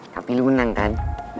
tapi lu menang kan